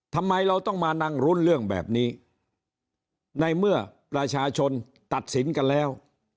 ทำไมเราต้องมานั่งรุ้นเรื่องแบบนี้ในเมื่อประชาชนตัดสินกันแล้ว